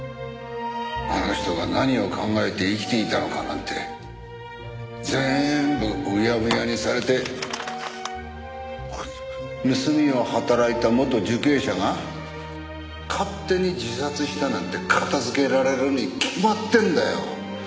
あの人が何を考えて生きていたのかなんて全部うやむやにされて盗みを働いた元受刑者が勝手に自殺したなんて片付けられるに決まってんだよ。